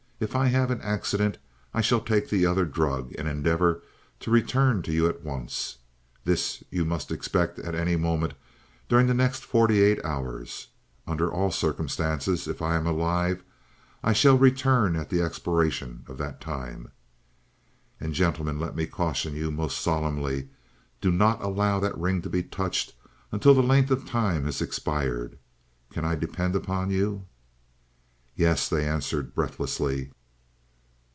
If I have an accident, I shall take the other drug and endeavor to return to you at once. This you must expect at any moment during the next forty eight hours. Under all circumstances, if I am alive, I shall return at the expiration of that time. "And, gentlemen, let me caution you most solemnly, do not allow that ring to be touched until that length of time has expired. Can I depend on you?" "Yes," they answered breathlessly.